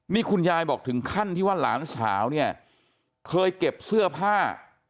นี่คุณยายบอกถึงขั้นที่ว่าหลานสาวเนี่ยเคยเก็บเสื้อผ้า